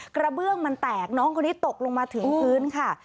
กระเบื้องมันแตกน้องคนนี้ตกลงมาถึงพื้นค่ะ